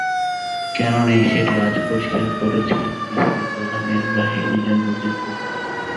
কেন নেই সেটি আজ পরিষ্কার করেছেন বিসিবির প্রধান নির্বাহী নিজাম উদ্দীন চৌধুরী।